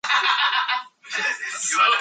This was the score at halftime.